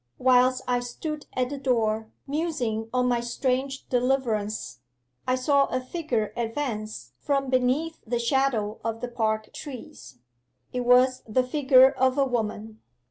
Whilst I still stood at the door, musing on my strange deliverance, I saw a figure advance from beneath the shadow of the park trees. It was the figure of a woman.